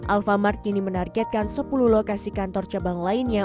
alfamart kini menargetkan sepuluh lokasi kantor cabang lainnya